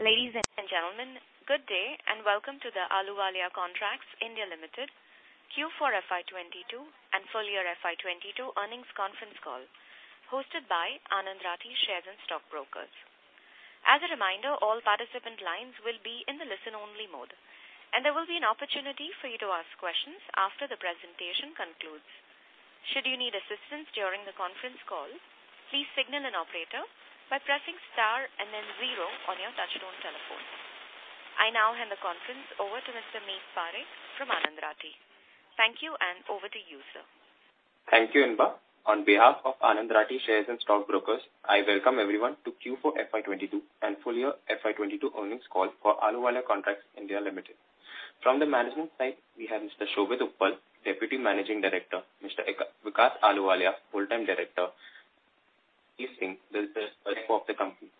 Ladies and gentlemen, good day, and welcome to the Ahluwalia Contracts (India) Limited Q4 FY 2022 and full year FY 2022 Earnings Conference Call, hosted by Anand Rathi Shares and Stock Brokers. As a reminder, all participant lines will be in the listen-only mode, and there will be an opportunity for you to ask questions after the presentation concludes. Should you need assistance during the conference call, please signal an operator by pressing star and then zero on your touchtone telephone. I now hand the conference over to Mr. Meet Parekh from Anand Rathi. Thank you, and over to you, sir. Thank you, Inba. On behalf of Anand Rathi Shares and Stock Brokers, I welcome everyone to Q4 FY 2022 and Full Year FY 2022 Earnings call for Ahluwalia Contracts India Limited. From the management side, we have Mr. Shobhit Uppal, Deputy Managing Director, Mr. Vikas Ahluwalia, Full-Time Director, he's the CEO of the company.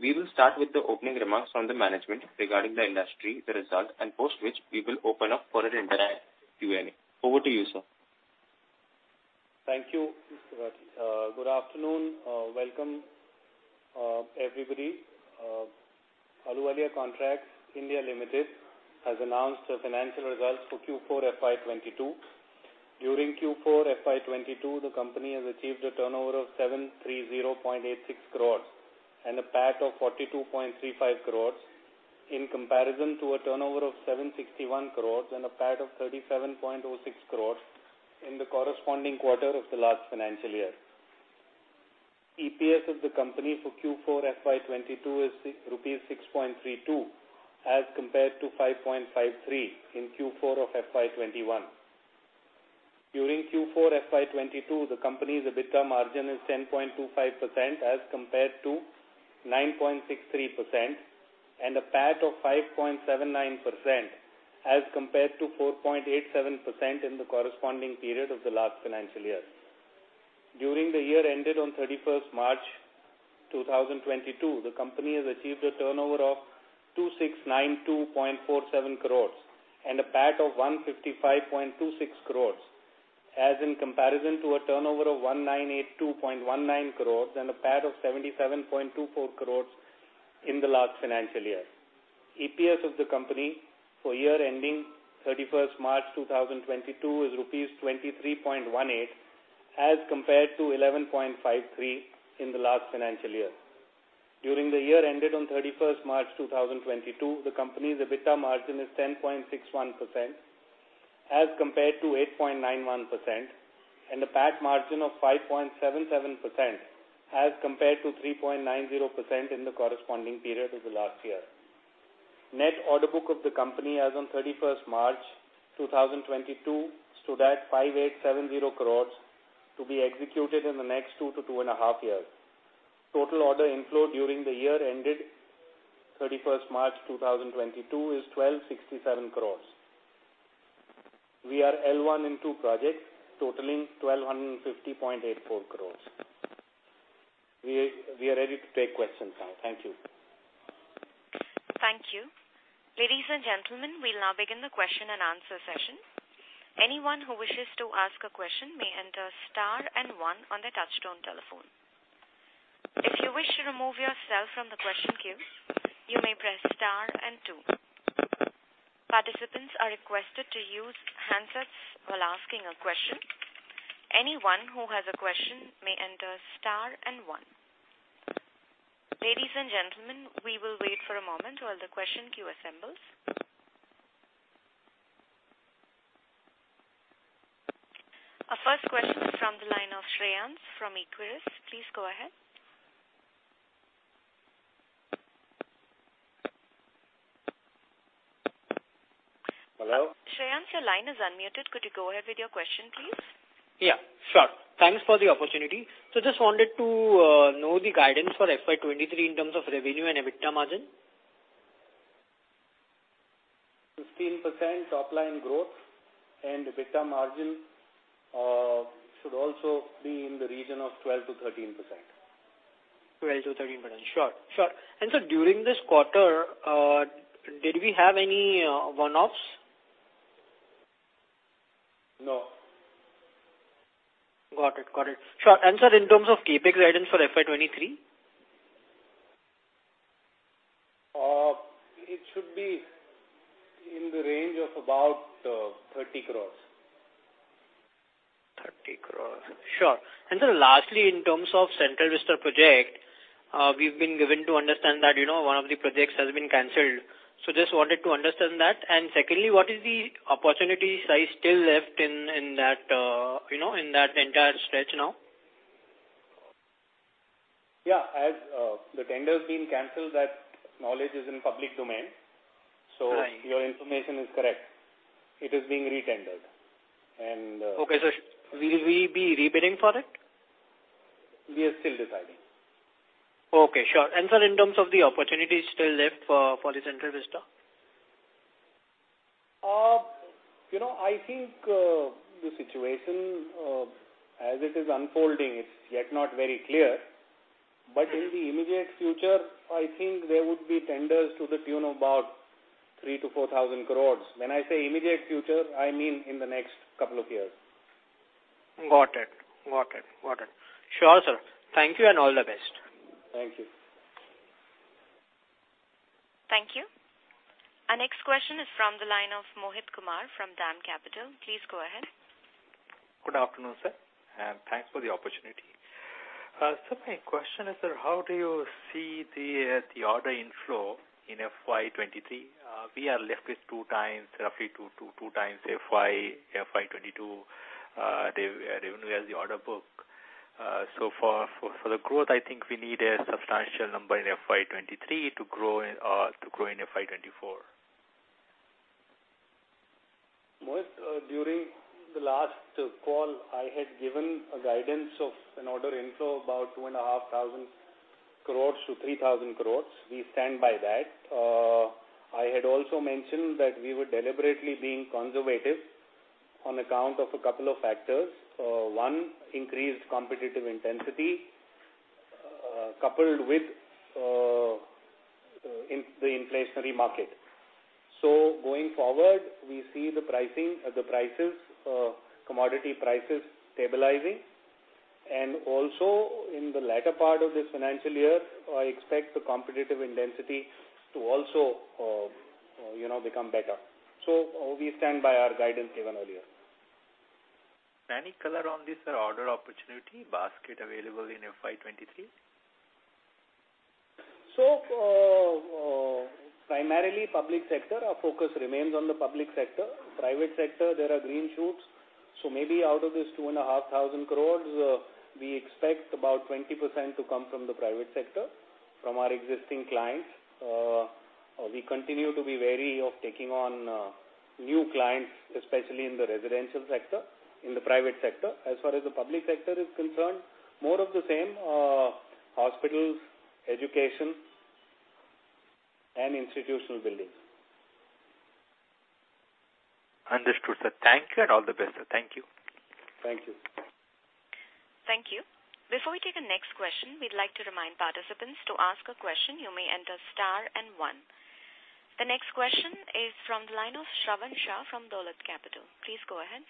We will start with the opening remarks from the management regarding the industry, the results, and post which we will open up for an interactive Q&A. Over to you, sir. Thank you, Mr. Rathi. Good afternoon. Welcome, everybody. Ahluwalia Contracts (India) Limited has announced their financial results for Q4 FY 2022. During Q4 FY 2022, the company has achieved a turnover of 730.86 crores and a PAT of 42.35 crores, in comparison to a turnover of 761 crores and a PAT of 37.06 crores in the corresponding quarter of the last financial year. EPS of the company for Q4 FY 2022 is rupees 6.32, as compared to 5.53 in Q4 of FY 2021. During Q4 FY 2022, the company's EBITDA margin is 10.25%, as compared to 9.63%, and a PAT of 5.79%, as compared to 4.87% in the corresponding period of the last financial year. During the year ended on March 31st 2022, the company has achieved a turnover of 2,692.47 crore and a PAT of 155.26 crore, as in comparison to a turnover of 1,982.19 crore and a PAT of 77.24 crore in the last financial year. EPS of the company for year ending March 31st 2022, is rupees 23.18, as compared to 11.53 in the last financial year. During the year ended on March 31, 2022, the company's EBITDA margin is 10.61%, as compared to 8.91%, and a PAT margin of 5.77%, as compared to 3.90% in the corresponding period of the last year. Net order book of the company as on March 31, 2022, stood at 5,870 crores to be executed in the next two to two and a half years. Total order inflow during the year ended March 31, 2022, is 1,267 crores. We are L1 in two projects, totaling 1,250.84 crores. We are ready to take questions now. Thank you. Thank you. Ladies and gentlemen, we'll now begin the question and answer session. Anyone who wishes to ask a question may enter star and one on their touchtone telephone. If you wish to remove yourself from the question queue, you may press star and two. Participants are requested to use handsets while asking a question. Anyone who has a question may enter star and one. Ladies and gentlemen, we will wait for a moment while the question queue assembles. Our first question is from the line of Parvez Akhtar Qazi from Edelweiss Securities.. Please go ahead. Hello? Shreyans, your line is unmuted. Could you go ahead with your question, please? Yeah, sure. Thanks for the opportunity. Just wanted to know the guidance for FY 2023 in terms of revenue and EBITDA margin? 15% top line growth and EBITDA margin should also be in the region of 12%-13%. 12%-13%. Sure, sure. During this quarter, did we have any one-offs? No. Got it. Got it. Sure. And, sir, in terms of CapEx guidance for FY 2023? It should be in the range of about 30 crore. 30 crore. Sure. And sir, lastly, in terms of Central Vista project, we've been given to understand that, you know, one of the projects has been canceled. So just wanted to understand that. And secondly, what is the opportunity size still left in that, you know, in that entire stretch now? Yeah, as the tender has been canceled, that knowledge is in public domain. Right. So your information is correct. It is being re-tendered, and, Okay, so will we be rebidding for it? We are still deciding. Okay, sure. Sir, in terms of the opportunities still left for the Central Vista? you know, I think, the situation, as it is unfolding, it's yet not very clear. But in the immediate future, I think there would be tenders to the tune of about 3,000 crore-4,000 crore. When I say immediate future, I mean in the next couple of years.... Got it. Got it. Got it. Sure, sir. Thank you, and all the best. Thank you. Thank you. Our next question is from the line of Mohit Kumar from DAM Capital. Please go ahead. Good afternoon, sir, and thanks for the opportunity. So my question is, sir, how do you see the order inflow in FY 2023? We are left with two times, roughly two times FY 2022 revenue as the order book. So for the growth, I think we need a substantial number in FY 2023 to grow in FY 2024. Mohit, during the last call, I had given a guidance of an order inflow about 2,500 crores-3,000 crores. We stand by that. I had also mentioned that we were deliberately being conservative on account of a couple of factors. One, increased competitive intensity, coupled with in the inflationary market. So going forward, we see the pricing, the prices, commodity prices stabilizing. And also in the latter part of this financial year, I expect the competitive intensity to also, you know, become better. So we stand by our guidance given earlier. Any color on this, order opportunity basket available in FY 2023? So, primarily public sector, our focus remains on the public sector. Private sector, there are green shoots, so maybe out of this 2,500 crores, we expect about 20% to come from the private sector, from our existing clients. We continue to be wary of taking on, new clients, especially in the residential sector, in the private sector. As far as the public sector is concerned, more of the same, hospitals, education and institutional buildings. Understood, sir. Thank you and all the best, sir. Thank you. Thank you. Thank you. Before we take the next question, we'd like to remind participants to ask a question, you may enter star and one. The next question is from the line of Shravan Shah from Dolat Capital. Please go ahead.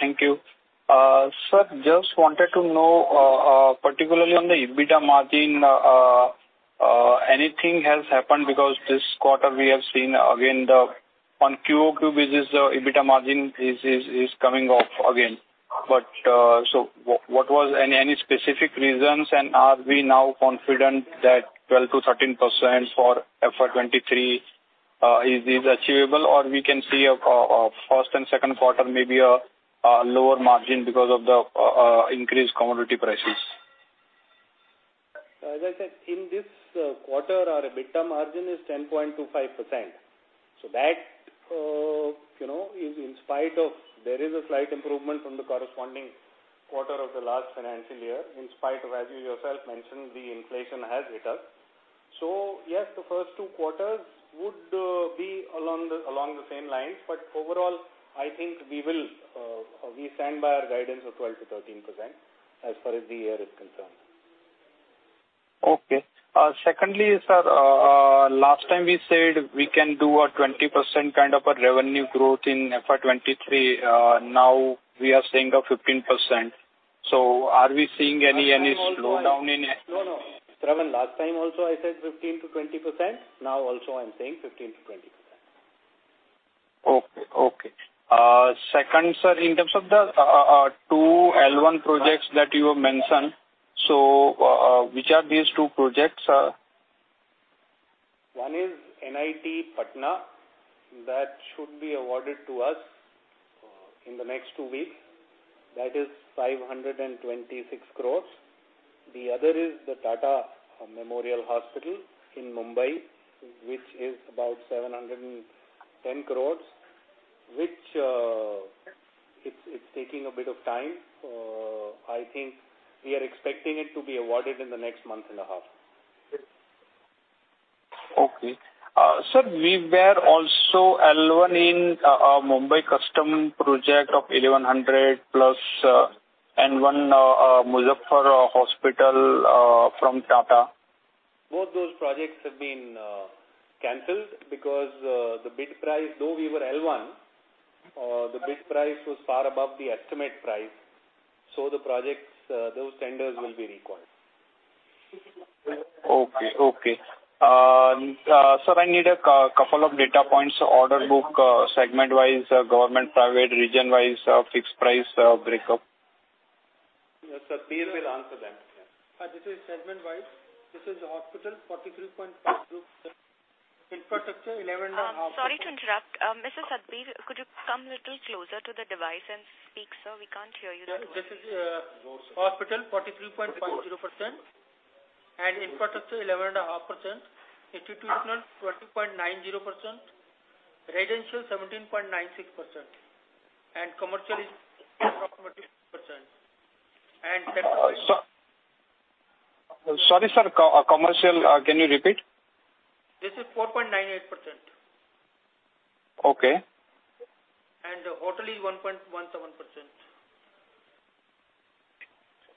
Thank you. Sir, just wanted to know, particularly on the EBITDA margin, anything has happened? Because this quarter we have seen again the on QOQ business, the EBITDA margin is coming off again. But, so what was any specific reasons, and are we now confident that 12%-13% for FY 2023 is achievable, or we can see a first and second quarter, maybe a lower margin because of the increased commodity prices? As I said, in this quarter, our EBITDA margin is 10.25%. So that, you know, is in spite of there is a slight improvement from the corresponding quarter of the last financial year, in spite of, as you yourself mentioned, the inflation has hit us. So yes, the first two quarters would be along the, along the same lines, but overall, I think we will, we stand by our guidance of 12%-13% as far as the year is concerned. Okay. Secondly, sir, last time we said we can do a 20% kind of a revenue growth in FY 2023. Now we are saying a 15%. So are we seeing any slowdown in- No, no. Shravan, last time also I said 15%-20%. Now also I'm saying 15%-20%. Okay, okay. Second, sir, in terms of the two L1 projects that you have mentioned, so which are these two projects, sir? One is NIT Patna. That should be awarded to us in the next two weeks. That is 526 crore. The other is the Tata Memorial Hospital in Mumbai, which is about 710 crore, which it's taking a bit of time. I think we are expecting it to happen to be awarded in the next month and a half. Okay. Sir, we were also L1 in a Mumbai customs project of 1,100+ and 1 Muzaffarpur hospital from Tata. Both those projects have been canceled because the bid price, though we were L1, the bid price was far above the estimate price, so the projects, those tenders will be required. Okay, okay. Sir, I need a couple of data points, order book, segment-wise, government, private, region-wise, fixed price, breakup. Yes, Satbir will answer that. This is segment-wise. This is the hospital, 43.40%. Infrastructure, 11.5- Sorry to interrupt. Mr. Satbir, could you come a little closer to the device and speak, sir? We can't hear you that well. This is hospital, 43.40%, and infrastructure, 11.5%, institutional, 20.90%, residential, 17.96%, and commercial is approximately percent. And- Sorry, sir, commercial, can you repeat? This is 4.98%. Okay. Hotel is 1.17%.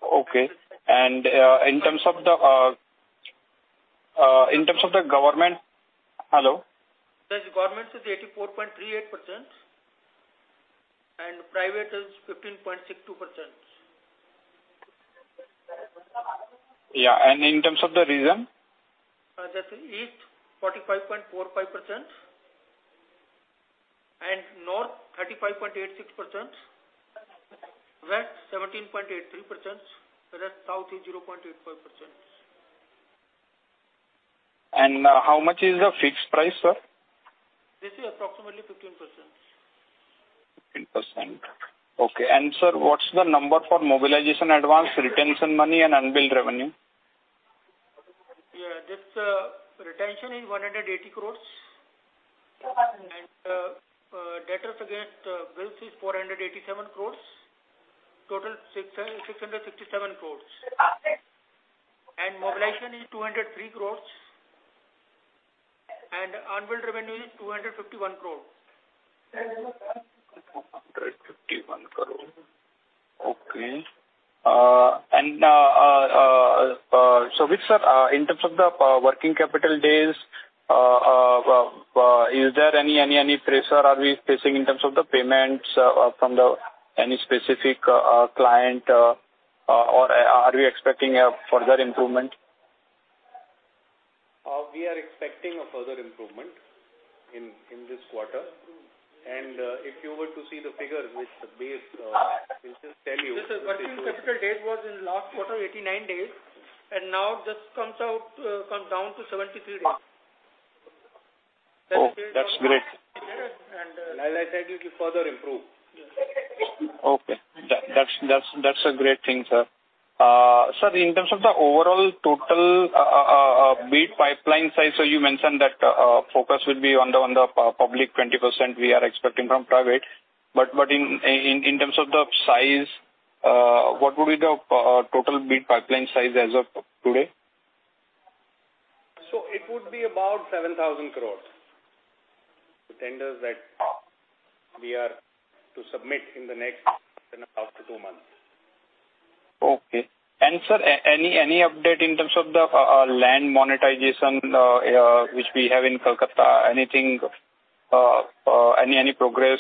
...Okay. And, in terms of the, in terms of the government. Hello? The government is 84.38%, and private is 15.62%. Yeah, and in terms of the region? That East, 45.45%, and North, 35.86%. West, 17.83%. The rest, South is 0.85%. How much is the fixed price, sir? This is approximately 15%. 15%. Okay. And sir, what's the number for mobilization advance, retention money, and unbilled revenue? Yeah, this retention is 180 crore. Debtors against bills is 487 crore. Total, 667 crore. Mobilization is 203 crore, and unbilled revenue is 251 crore. 251 crore. Okay. And now, so with that, in terms of the working capital days, is there any pressure we are facing in terms of the payments from any specific client, or are we expecting a further improvement? We are expecting a further improvement in, in this quarter. If you were to see the figure, which the base, will just tell you. This working capital days was in last quarter, 89 days, and now this comes out, come down to 73 days. Oh, that's great. Like I said, it will further improve. Yes. Okay. That's a great thing, sir. Sir, in terms of the overall total bid pipeline size, so you mentioned that focus will be on the public 20% we are expecting from private. But in terms of the size, what would be the total bid pipeline size as of today? So it would be about 7,000 crore. The tenders that we are to submit in the next one and a half to two months. Okay. And sir, any update in terms of the land monetization which we have in Kolkata? Anything, any progress?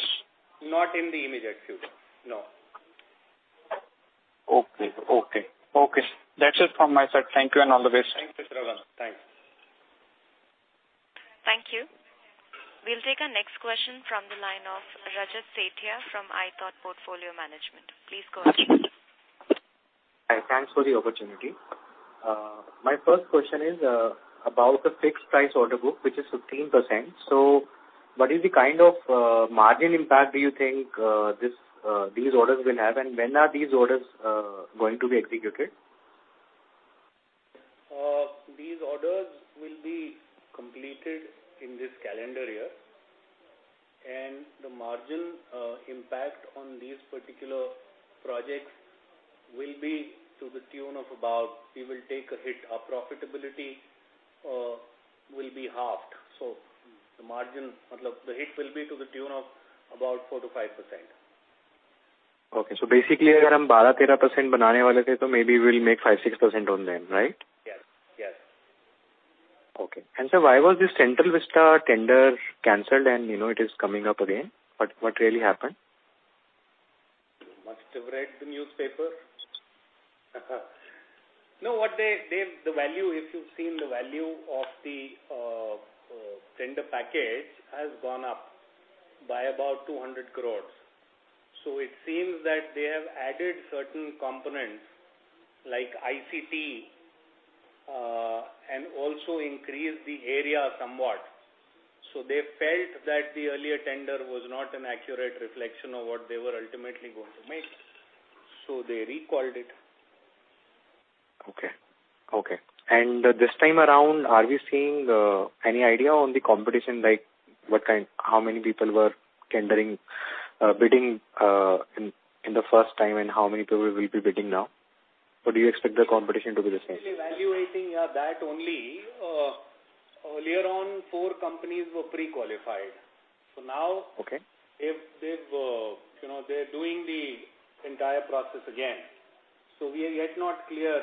Not in the immediate future, no. Okay, okay. Okay, that's it from my side. Thank you and all the best. Thanks, Shravan. Thanks. Thank you. We'll take our next question from the line of Rajat Sethia from iThought Portfolio Management. Please go ahead. Hi, thanks for the opportunity. My first question is about the fixed price order book, which is 15%. So what is the kind of margin impact do you think these orders will have? And when are these orders going to be executed? These orders will be completed in this calendar year, and the margin impact on these particular projects will be to the tune of about—we will take a hit. Our profitability will be halved, so the margin hit will be to the tune of about 4%-5%. Okay. So basically, 12%-13%, maybe we'll make 5%-6% on them, right? Yes. Yes. Okay. And sir, why was this Central Vista tender canceled and, you know, it is coming up again? What really happened? You must have read the newspaper. No, what the value, if you've seen the value of the tender package, has gone up by about 200 crore. So it seems that they have added certain components like ICT, and also increased the area somewhat. So they felt that the earlier tender was not an accurate reflection of what they were ultimately going to make, so they recalled it. Okay, okay. And this time around, are we seeing any idea on the competition, like what kind, how many people were tendering, bidding, in the first time, and how many people will be bidding now? Or do you expect the competition to be the same? We're evaluating that only. Earlier on, four companies were pre-qualified. So now- Okay. If they've, you know, they're doing the entire process again. So we are yet not clear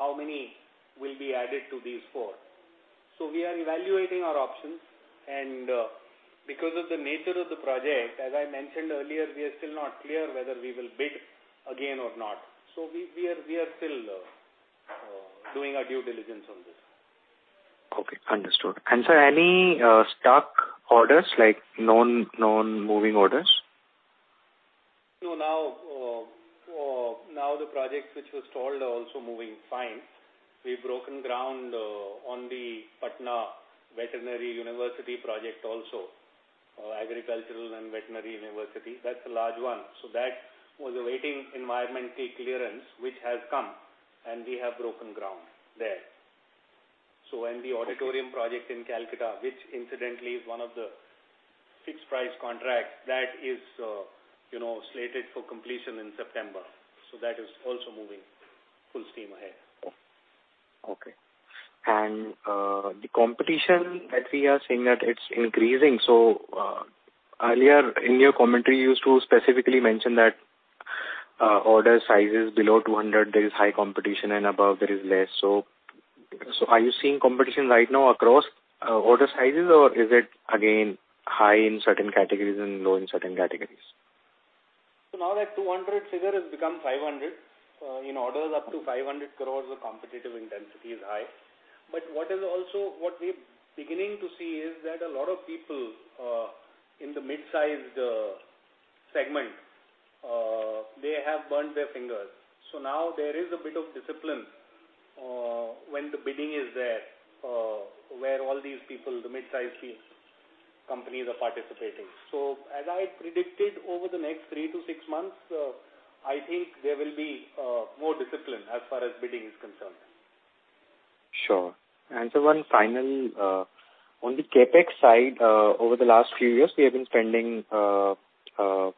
how many will be added to these four. So we are evaluating our options, and because of the nature of the project, as I mentioned earlier, we are still not clear whether we will bid again or not. So we are still doing our due diligence on this. Okay, understood. Sir, any stock orders, like known moving orders? So now, now the projects which were stalled are also moving fine. We've broken ground, on the Patna Veterinary University project also, Agricultural and Veterinary University. That's a large one. So when the auditorium project in Kolkata, which incidentally is one of the fixed price contracts, that is, you know, slated for completion in September. So that is also moving full steam ahead.... Okay. And, the competition that we are seeing that it's increasing. So, earlier in your commentary, you used to specifically mention that, order sizes below 200, there is high competition, and above there is less. So, so are you seeing competition right now across, order sizes? Or is it again, high in certain categories and low in certain categories? So now that 200 figure has become 500. In orders up to 500 crores, the competitive intensity is high. But what is also, what we're beginning to see is that a lot of people, in the mid-sized, segment, they have burned their fingers. So now there is a bit of discipline, when the bidding is there, where all these people, the mid-sized companies, are participating. So as I predicted, over the next three to six months, I think there will be, more discipline as far as bidding is concerned. Sure. One final on the CapEx side, over the last few years, we have been spending 20-30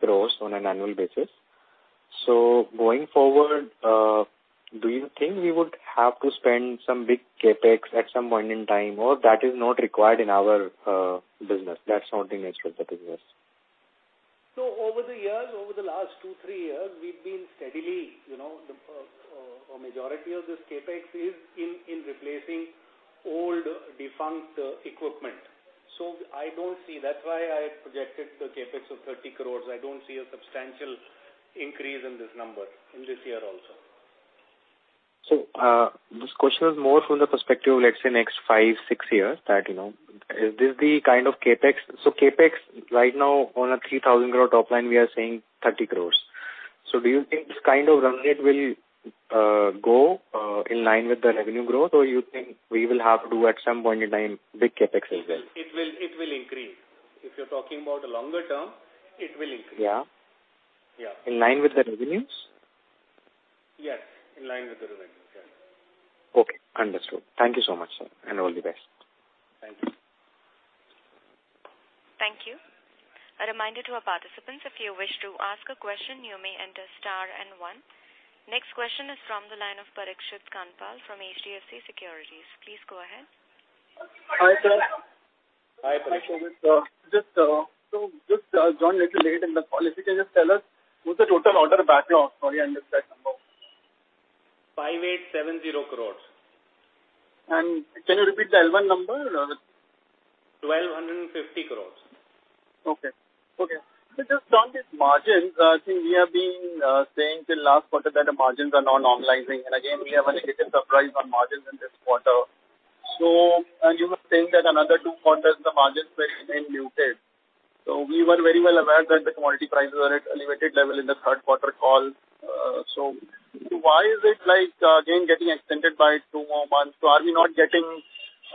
crores on an annual basis. So going forward, do you think we would have to spend some big CapEx at some point in time, or that is not required in our business? That's something which will take place. So over the years, over the last two, three years, we've been steadily, you know, a majority of this CapEx is in, in replacing old, defunct equipment. So I don't see... That's why I projected the CapEx of 30 crore. I don't see a substantial increase in this number in this year also. So, this question is more from the perspective of, let's say, next five, six years, that, you know, is this the kind of CapEx? So CapEx right now, on a 3,000 crore top line, we are saying 30 crore. So do you think this kind of run rate will go in line with the revenue growth, or you think we will have to, at some point in time, big CapEx as well? It will, it will increase. If you're talking about the longer term, it will increase. Yeah? Yeah. In line with the revenues? Yes, in line with the revenues, yes. Okay, understood. Thank you so much, sir, and all the best. Thank you. Thank you. A reminder to our participants, if you wish to ask a question, you may enter star and one. Next question is from the line of Parikshit Kandpal from HDFC Securities. Please go ahead. Hi, sir. Hi, Parikshit. Just, so just joined little late in the call. If you can just tell us, what's the total order backlog? Sorry, I missed that number. INR 5,870 crores. Can you repeat the L1 number? INR 1,250 crore. Okay. Okay. So just on this margins, I think we have been saying till last quarter that the margins are now normalizing, and again, we have a negative surprise on margins in this quarter. So, and you were saying that another two quarters, the margins will remain muted. So we were very well aware that the commodity prices are at an elevated level in the third quarter call. So why is it, like, again, getting extended by two more months? So are we not getting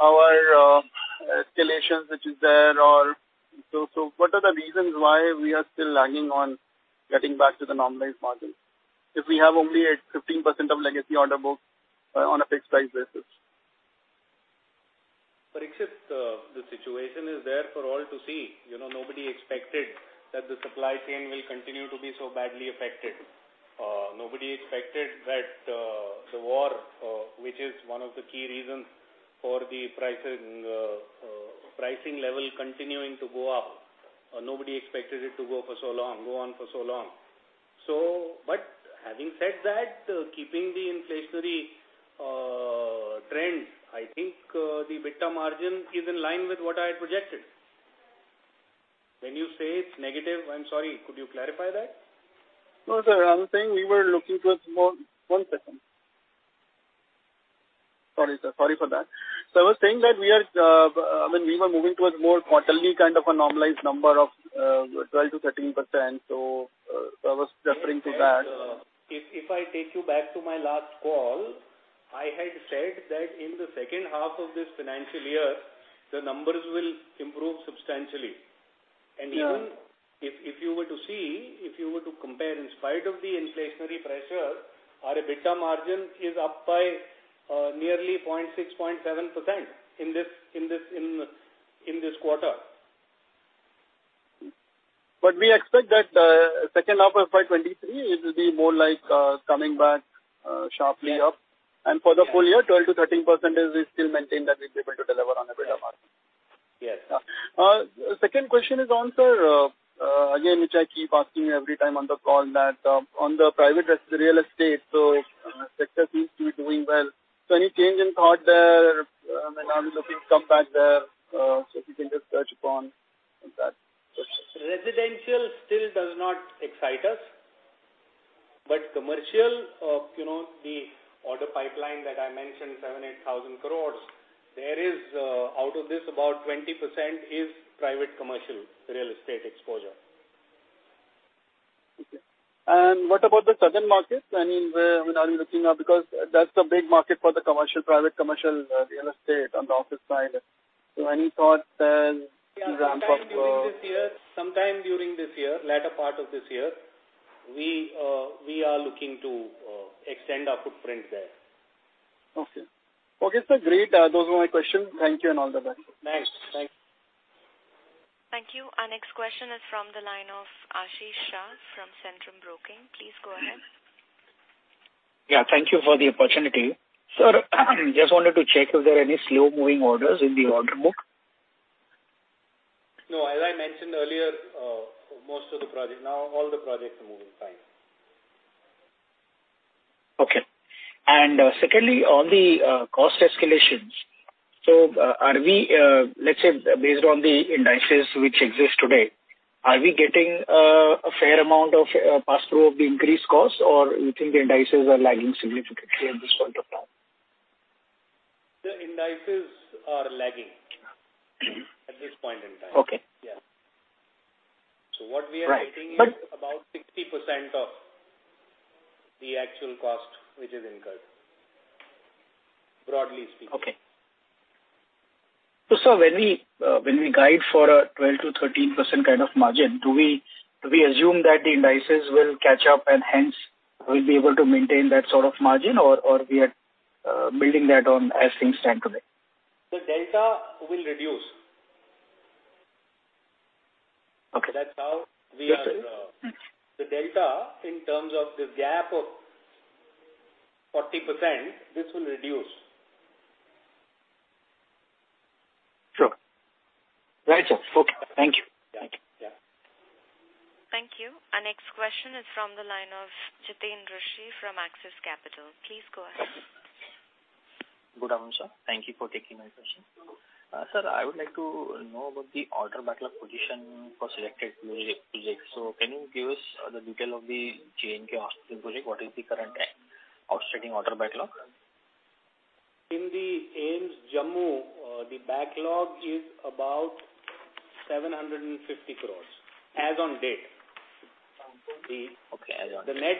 our escalations, which is there, or... So, so what are the reasons why we are still lagging on getting back to the normalized margin? If we have only a 15% of legacy order book on a fixed price basis. Parikshit, the situation is there for all to see. You know, nobody expected that the supply chain will continue to be so badly affected. Nobody expected that, the war, which is one of the key reasons for the pricing, pricing level continuing to go up, nobody expected it to go for so long, go on for so long. So, but having said that, keeping the inflationary, trend, I think, the EBITDA margin is in line with what I had projected. When you say it's negative, I'm sorry, could you clarify that? No, sir, I was saying we were looking towards more... One second. Sorry, sir, sorry for that. So I was saying that we are, when we were moving towards more quarterly kind of a normalized number of, 12%-13%, so, I was referring to that. If I take you back to my last call, I had said that in the second half of this financial year, the numbers will improve substantially. Yeah. Even if, if you were to see, if you were to compare, in spite of the inflationary pressure, our EBITDA margin is up by nearly 0.6%-0.7% in this quarter. But we expect that, second half of 2023, it will be more like coming back sharply up. Yes. For the full year, 12%-13%, do we still maintain that we're able to deliver on EBITDA margin? Yes. Second question is on, sir, again, which I keep asking you every time on the call, that on the private real estate, so sector seems to be doing well. Any change in thought there? And are we looking to come back there? If you can just touch upon that. Residential still does not excite us, but commercial, you know, the order pipeline that I mentioned, 7,000 crore-8,000 crore, there is. Out of this, about 20% is private commercial real estate exposure. Okay. What about the southern markets? I mean, where, I mean, are you looking now? Because that's a big market for the commercial, private commercial, real estate on the office side. So any thoughts there to ramp up? Sometime during this year, latter part of this year, we are looking to extend our footprint there. Okay. Okay, sir. Great. Those were my questions. Thank you and all the best. Thanks. Thanks. ... Our next question is from the line of Ashish Shah from Centrum Broking. Please go ahead. Yeah, thank you for the opportunity. Sir, just wanted to check if there are any slow-moving orders in the order book? No, as I mentioned earlier, now all the projects are moving fine. Okay. And secondly, on the cost escalations, so, are we, let's say, based on the indices which exist today, are we getting a fair amount of pass-through of the increased costs, or you think the indices are lagging significantly at this point of time? The indices are lagging at this point in time. Okay. Yeah. So what we are- Right, but- -getting is about 60% of the actual cost, which is incurred, broadly speaking. Okay. So sir, when we guide for a 12%-13% kind of margin, do we assume that the indices will catch up, and hence we'll be able to maintain that sort of margin, or we are building that on as things stand today? The delta will reduce. Okay. That's how we are- Yes, sir. The delta, in terms of the gap of 40%, this will reduce. Sure. Right, sir. Okay, thank you. Yeah. Yeah. Thank you. Our next question is from the line of Jiten Rushi from Axis Capital. Please go ahead. Good afternoon, sir. Thank you for taking my question. Sir, I would like to know about the order backlog position for selected projects. Can you give us the detail of the J&K Hospital project? What is the current outstanding order backlog? In the AIIMS, Jammu, the backlog is about 750 crore, as on date. The- Okay, as on date. The net,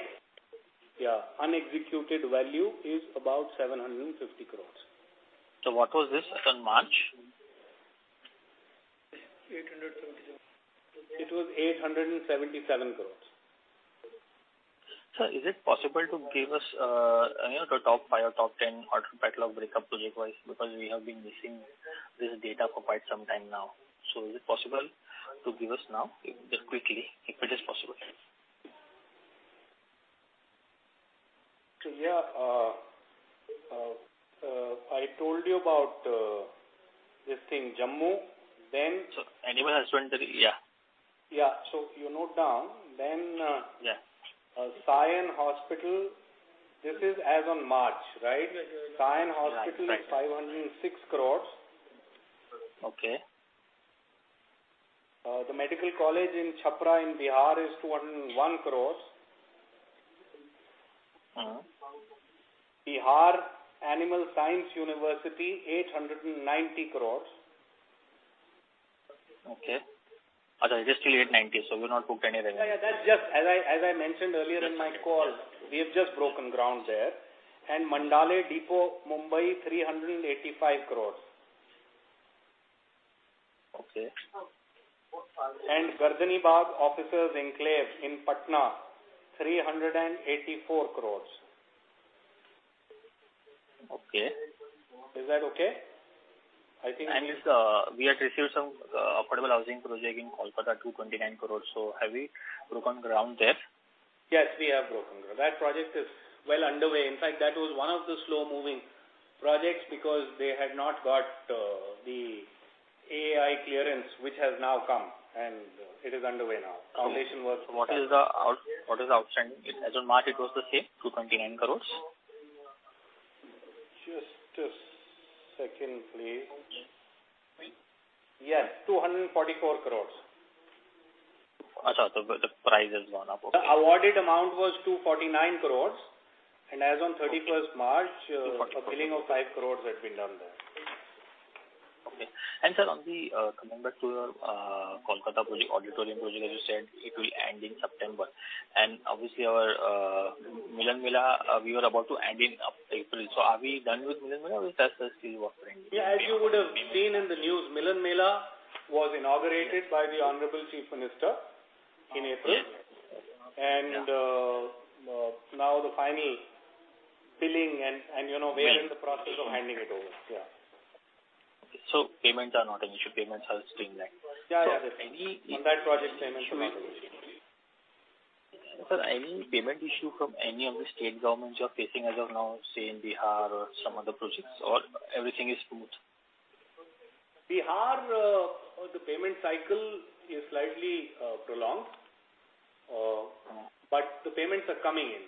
yeah, unexecuted value is about 750 crore. What was this as on March? 877. It was 877 crore. Sir, is it possible to give us, you know, the top five or top ten order backlog breakup project-wise? Because we have been missing this data for quite some time now. So is it possible to give us now, just quickly, if it is possible? Yeah, I told you about this thing, Jammu, then- So anyone has went there, yeah. Yeah. So you note down, then, Yeah. Sion Hospital, this is as on March, right? Yes. Sion Hospital is 506 crore. Okay. The medical college in Chapra in Bihar is 201 crore. Uh-huh. Bihar Animal Science University, 890 crore. Okay. Just still 890, so we're not booked anything. Yeah, yeah, that's just... As I mentioned earlier in my call, we have just broken ground there. And Mandale Depot, Mumbai, 385 crore. Okay. Gardani Bagh Officers Enclave in Patna, 384 crore. Okay. Is that okay? I think- We had received some affordable housing project in Kolkata, 229 crore. So have we broken ground there? Yes, we have broken ground. That project is well underway. In fact, that was one of the slow-moving projects because they had not got the AI clearance, which has now come, and it is underway now. Foundation work- So what is the out, what is the outstanding? As on March, it was the same, 229 crores? Just a second, please. Yes, 244 crore. So the price has gone up. The awarded amount was 249 crore, and as on thirty-first March. Okay. 244 A billing of 5 crore had been done there. Okay. And sir, on the coming back to Kolkata project, auditorium project, as you said, it will end in September. And obviously our Milan Mela, we were about to end in April. So are we done with Milan Mela or that is still working? Yeah, as you would have seen in the news, Milan Mela was inaugurated by the Honorable Chief Minister in April. Yes. Now the final billing and, you know- Yes We are in the process of handing it over. Yeah. Payments are not an issue, payments are streamlined. Yeah, yeah. So any- On that project, payments are streamlined. Sir, any payment issue from any of the state governments you are facing as of now, say in Bihar or some other projects, or everything is smooth? Bihar, the payment cycle is slightly prolonged. Uh. But the payments are coming in.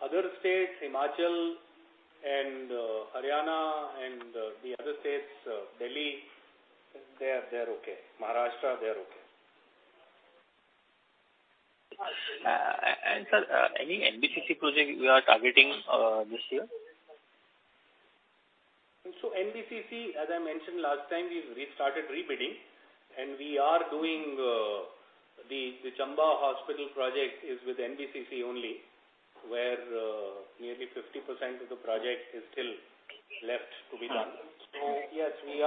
Other states, Himachal and Haryana and the other states, Delhi, they are, they are okay. Maharashtra, they are okay. Sir, any NBCC project we are targeting this year? So NBCC, as I mentioned last time, we've restarted rebidding, and we are doing the Chamba Hospital project is with NBCC only, where nearly 50% of the project is still left to be done. Uh. So yes, we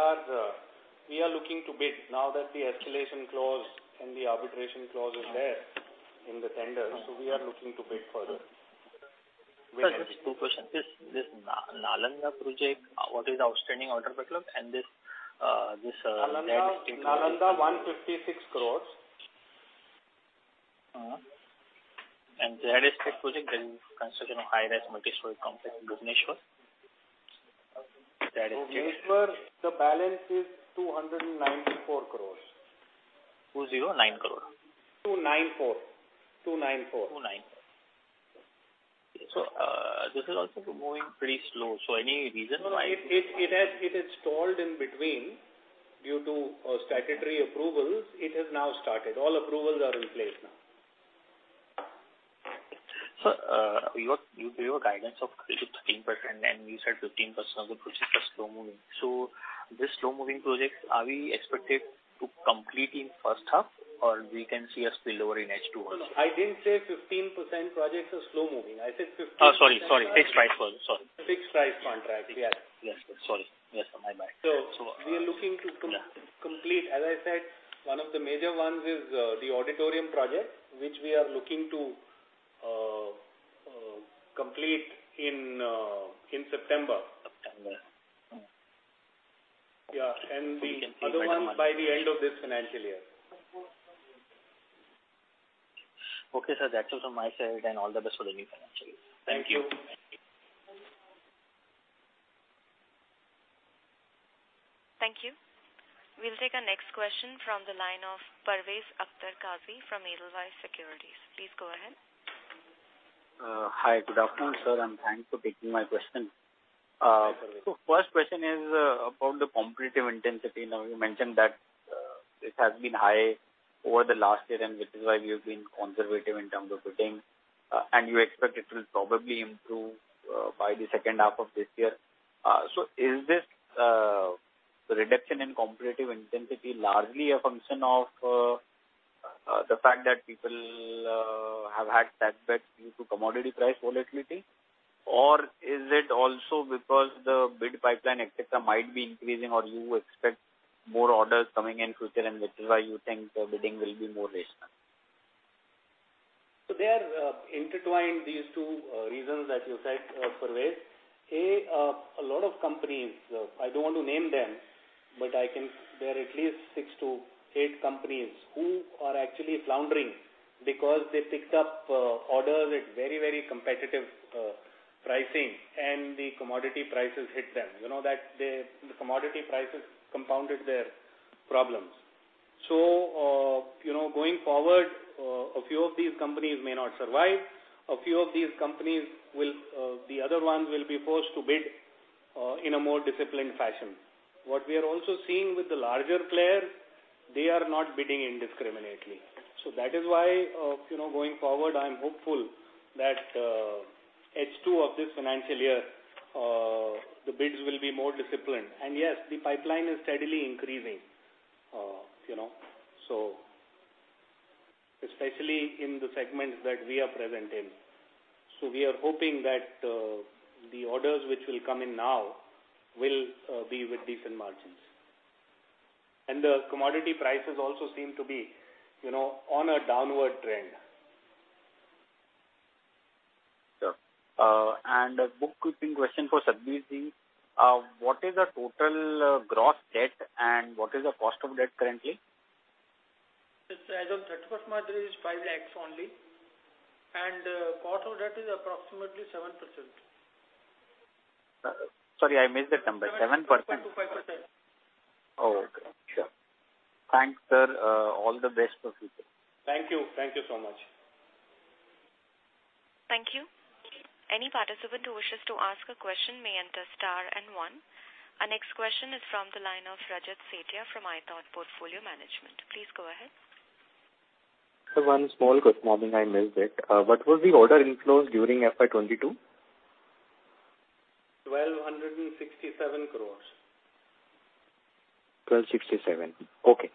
are looking to bid now that the escalation clause and the arbitration clause is there in the tender- Uh. So we are looking to bid further.... Sir, just two questions. This Nalanda project, what is the outstanding order backlog and this... Nalanda, Nalanda 156 crore. That is project construction of high-rise multi-story complex, Bhubaneswar. Bhubaneswar, the balance is 294 crore. 209 crore? 294. 294. 294. So, this is also moving pretty slow, so any reason why? No, it has stalled in between due to statutory approvals. It has now started. All approvals are in place now. So, you gave a guidance of 13%, and you said 15% of the projects are slow moving. So these slow moving projects, are we expected to complete in first half or we can see a spillover in H2 also? No, no, I didn't say 15% projects are slow moving. I said 15- Oh, sorry, sorry. Fixed price projects, sorry. Fixed-price contract, yeah. Yes, sorry. Yes, my bad. So we are looking to complete, as I said, one of the major ones is the auditorium project, which we are looking to complete in September. September. Yeah, and the other one by the end of this financial year. Okay, sir. That's all from my side, and all the best for the new financial year. Thank you. Thank you. We'll take our next question from the line of Parvez Akhtar Qazi from Edelweiss Securities. Please go ahead. Hi, good afternoon, sir, and thanks for taking my question. So first question is about the competitive intensity. Now, you mentioned that it has been high over the last year, and which is why we have been conservative in terms of bidding, and you expect it will probably improve by the second half of this year. So is this reduction in competitive intensity largely a function of the fact that people have had setbacks due to commodity price volatility? Or is it also because the bid pipeline, et cetera, might be increasing, or you expect more orders coming in quicker, and which is why you think the bidding will be more rational? So they are intertwined, these two reasons that you said, Parvez. A lot of companies, I don't want to name them, but I can... There are at least six to eight companies who are actually floundering because they picked up orders at very, very competitive pricing, and the commodity prices hit them. You know that the commodity prices compounded their problems. So, you know, going forward, a few of these companies may not survive. A few of these companies will, the other ones will be forced to bid in a more disciplined fashion. What we are also seeing with the larger player, they are not bidding indiscriminately. So that is why, you know, going forward, I'm hopeful that H2 of this financial year, the bids will be more disciplined. Yes, the pipeline is steadily increasing, you know, so especially in the segments that we are present in. So we are hoping that the orders which will come in now will be with decent margins. And the commodity prices also seem to be, you know, on a downward trend. Sure. A bookkeeping question for Satbir Singh. What is the total, gross debt, and what is the cost of debt currently? It's as of March 31st, it is 5 lakh only, and cost of debt is approximately 7%. Sorry, I missed that number. 7%? 5%-5%. Okay, sure. Thanks, sir. All the best for future. Thank you. Thank you so much. Thank you. Any participant who wishes to ask a question may enter star and one. Our next question is from the line of Rajat Sethia from iThought Portfolio Management. Please go ahead. Sir, one small question, I missed it. What was the order inflows during FY 2022? INR 1,267 crore. 1,267. Okay.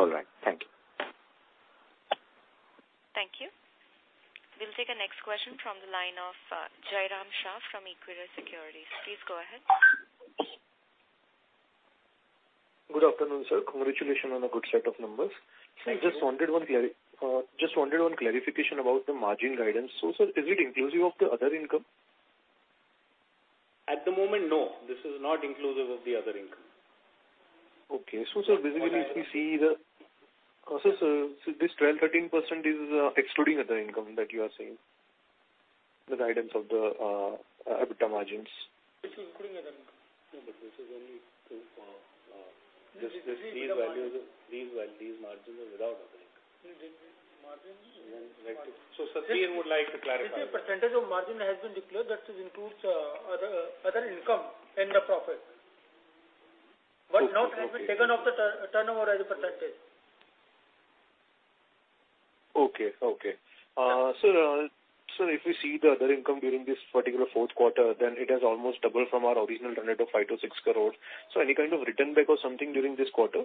All right. Thank you. Thank you. We'll take the next question from the line of, Jairam Shah from Equirus Securities. Please go ahead. Good afternoon, sir. Congratulations on a good set of numbers. Thank you. I just wanted one clarification about the margin guidance. So sir, is it inclusive of the other income? At the moment, no, this is not inclusive of the other income. Okay. So, sir, basically, we see the... so, sir, so this 12%-13% is, excluding other income that you are saying, the guidance of the, EBITDA margins? This is including other income. No, but this is only two. These values, margins are without other income. Margins- So Satbir would like to clarify. Percentage of margin has been declared, that includes other income and the profit, but not taken off the turnover as a percentage. Okay, okay. So if we see the other income during this particular fourth quarter, then it has almost doubled from our original turnover of 5-6 crores. So any kind of return back or something during this quarter?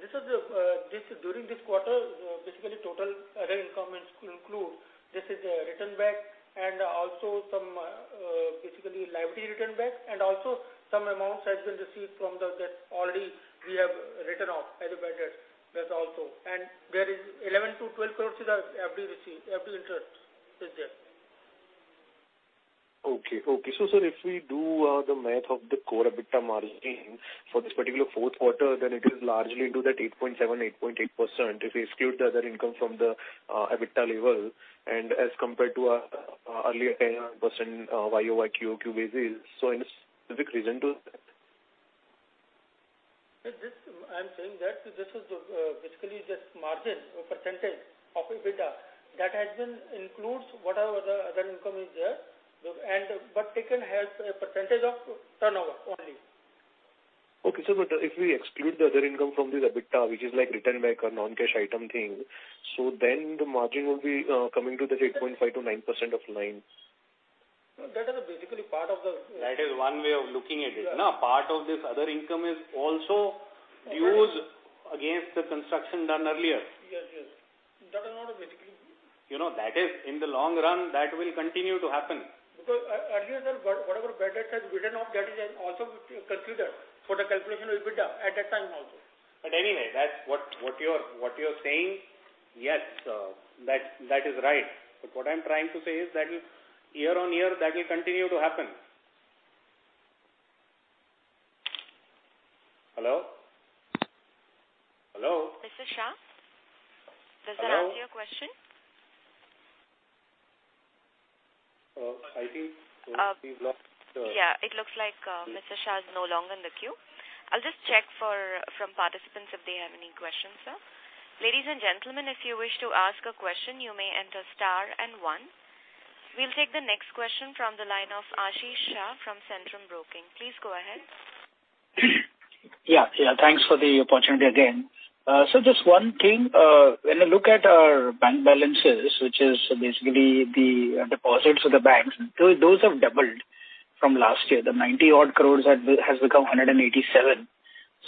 This is the this during this quarter, basically total other income include this is return back and also some basically liability return back, and also some amounts has been received from the debt already we have written off as a bad debt, that also. There is 11 crore-12 crore is our FD received, FD interest is there.... Okay, okay. So sir, if we do the math of the core EBITDA margin for this particular fourth quarter, then it is largely into that 8.7%-8.8%, if we exclude the other income from the EBITDA level, and as compared to our earlier 10%, year-over-year quarter-over-quarter basis. So any specific reason to that? This, I'm saying that this is the, basically just margin or percentage of EBITDA that has been includes whatever the other income is there. And but they can have a percentage of turnover only. Okay, sir, but if we exclude the other income from this EBITDA, which is like return back a non-cash item thing, so then the margin will be coming to the 8.5%-9% of lines. No, that is basically part of the- That is one way of looking at it. Yeah. Now, part of this other income is also used against the construction done earlier. Yes, yes. That is not a basically. You know, that is in the long run, that will continue to happen. Because earlier, sir, whatever budget has written off, that is also considered for the calculation of EBITDA at that time also. But anyway, that's what you're saying, yes, that is right. But what I'm trying to say is that year on year, that will continue to happen. Hello? Hello? Mr. Shah, does that answer your question? I think we've lost. Yeah, it looks like Mr. Shah is no longer in the queue. I'll just check for from participants if they have any questions, sir. Ladies and gentlemen, if you wish to ask a question, you may enter star and one. We'll take the next question from the line of Ashish Shah from Centrum Broking. Please go ahead. Yeah, yeah, thanks for the opportunity again. So just one thing, when I look at our bank balances, which is basically the deposits of the banks, so those have doubled from last year. The 90-odd crores has become 187.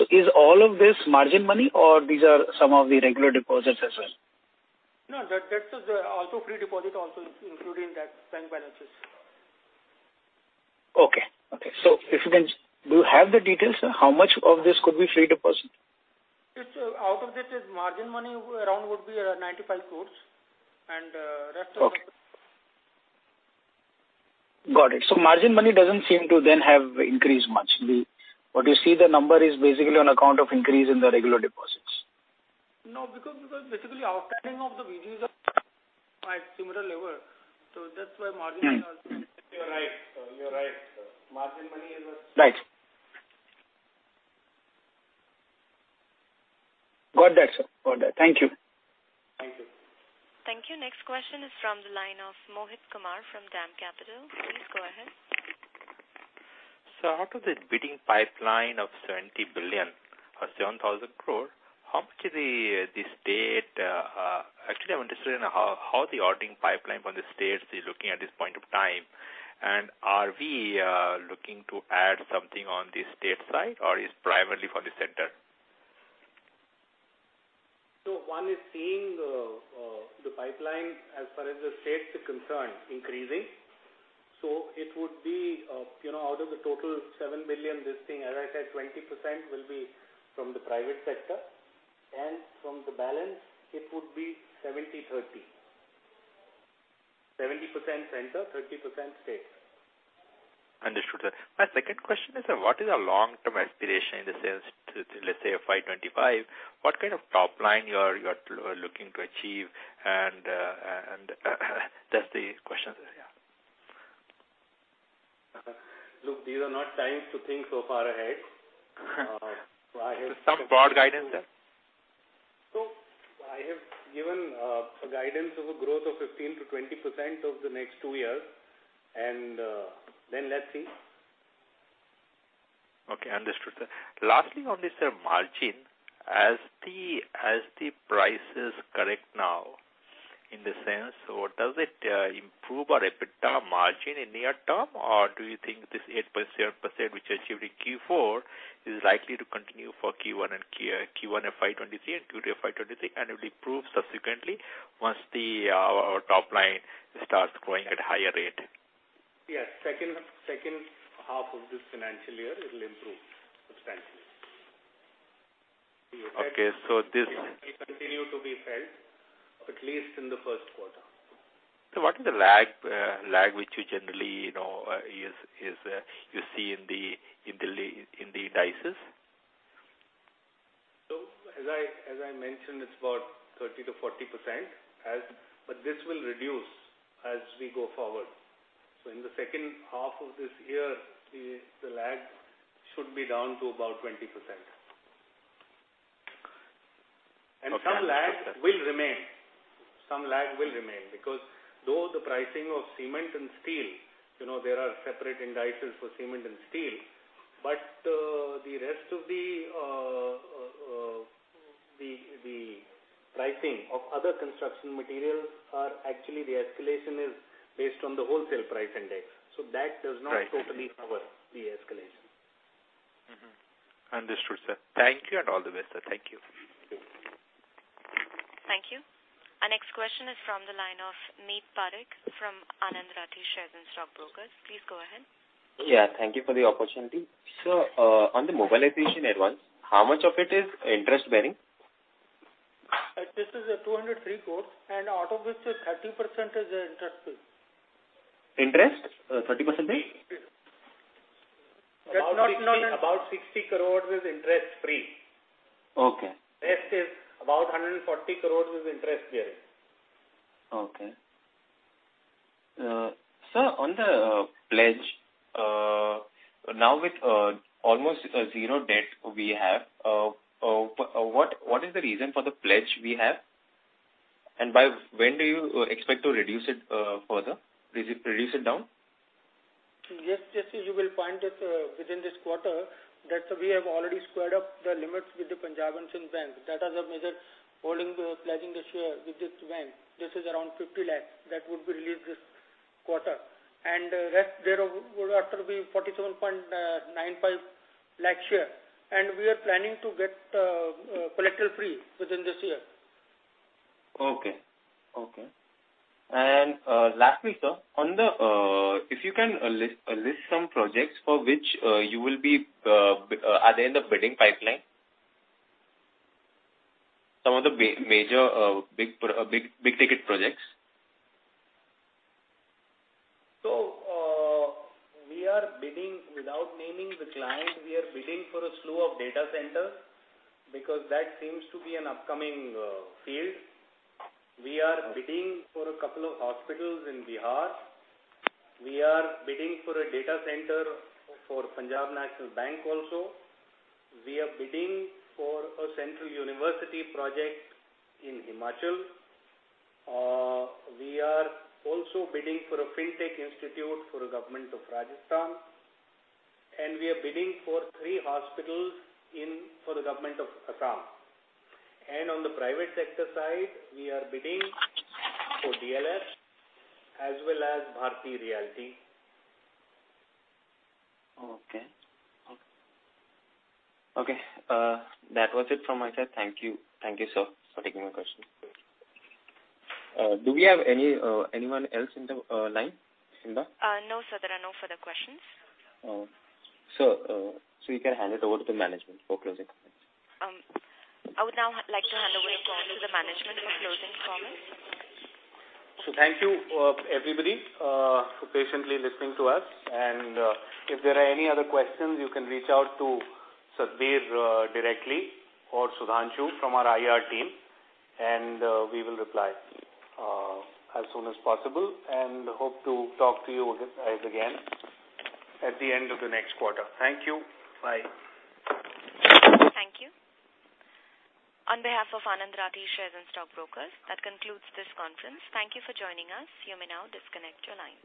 So is all of this margin money or these are some of the regular deposits as well? No, that is also fixed deposit also including that bank balances. Okay. Okay. So if you can... Do you have the details, how much of this could be free deposit? It's out of this is margin money around would be 95 crore and rest of the- Okay. Got it. So margin money doesn't seem to then have increased much. What you see, the number is basically on account of increase in the regular deposits. No, because, because basically outstanding of the receivables are at similar level. So that's why margins are- You're right. You're right. Margin money is a- Right. Got that, sir. Got that. Thank you. Thank you. Thank you. Next question is from the line of Mohit Kumar from DAM Capital. Please go ahead. Sir, out of the bidding pipeline of 7,000 crore, how much is the, the state? Actually, I'm interested in how, how the bidding pipeline from the states is looking at this point of time? And are we looking to add something on the state side, or it's primarily for the center? So one is seeing the pipeline as far as the state is concerned, increasing. So it would be, you know, out of the total 7 billion, this thing, as I said, 20% will be from the private sector, and from the balance it would be 70-30. 70% center, 30% state. Understood, sir. My second question is, what is our long-term aspiration in the sense, let's say, FY 2025, what kind of top line you are looking to achieve? And, that's the question, yeah. Look, these are not times to think so far ahead. I have- Some broad guidance, sir? I have given a guidance of a growth of 15%-20% of the next two years, and then let's see. Okay, understood, sir. Lastly, on this, sir, margin, as the, as the prices correct now, in the sense, or does it improve our EBITDA margin in near term, or do you think this 8.0%, which achieved in Q4, is likely to continue for Q1 and Q1 FY 2023 and Q2 FY 2023, and it will improve subsequently once the our top line starts growing at a higher rate? Yes. Second, second half of this financial year, it will improve substantially. Okay, so this- Continue to be felt, at least in the first quarter. So what is the lag which you generally, you know, you see in the indices? So as I mentioned, it's about 30%-40%, but this will reduce as we go forward. So in the second half of this year, the lag should be down to about 20%. Okay. Some lag will remain. Some lag will remain, because though the pricing of cement and steel, you know, there are separate indices for cement and steel, but, the rest of the pricing of other construction materials are actually the escalation is based on the Wholesale Price Index. Right. So that does not totally cover the escalation. Mm-hmm. Understood, sir. Thank you, and all the best, sir. Thank you. Thank you. Our next question is from the line of Meet Parekh, from Anand Rathi Shares and Stock Brokers. Please go ahead. Yeah, thank you for the opportunity. Sir, on the mobilization advance, how much of it is interest bearing?... Like this is 203 crore, and out of which 30% is interest free. Interest, 30% free? Yes. About 60, about 60 crore is interest free. Okay. Rest is about 140 crore is interest bearing. Okay. Sir, on the pledge, now with almost zero debt we have, what is the reason for the pledge we have? And by when do you expect to reduce it further, reduce it down? Yes, yes, you will find it within this quarter that we have already squared up the limits with the Punjab National Bank. That is a measure holding the pledging the share with this bank. This is around 50 lakh that would be released this quarter. And the rest thereof would have to be 47.95 lakh share. And we are planning to get collateral free within this year. Okay. Okay. And, lastly, sir, on the, if you can, list, list some projects for which, you will be, at the end of bidding pipeline. Some of the major, big, big ticket projects. So, we are bidding, without naming the client, we are bidding for a slew of data centers, because that seems to be an upcoming field. We are bidding for a couple of hospitals in Bihar. We are bidding for a data center for Punjab National Bank also. We are bidding for a central university project in Himachal. We are also bidding for a fintech institute for the government of Rajasthan, and we are bidding for three hospitals in, for the government of Assam. And on the private sector side, we are bidding for DLF as well as Bharti Realty. Okay. Okay, that was it from my side. Thank you. Thank you, sir, for taking my question. Do we have anyone else in the line, Simba? No, sir, there are no further questions. Oh, so you can hand it over to the management for closing comments. I would now like to hand over the call to the management for closing comments. So thank you, everybody, for patiently listening to us. If there are any other questions, you can reach out to Satbir directly or Sudhanshu from our IR team, and we will reply as soon as possible, and hope to talk to you guys again at the end of the next quarter. Thank you. Bye. Thank you. On behalf of Anand Rathi Shares and Stock Brokers, that concludes this conference. Thank you for joining us. You may now disconnect your lines.